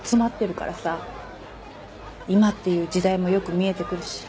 今っていう時代もよく見えてくるし。